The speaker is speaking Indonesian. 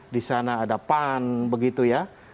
di sana ada pan begitu ya